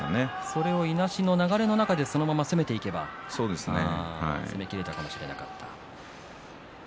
それをいなしの流れの中でそのまま攻めていけば攻めきれたかもしれないということでしょうか。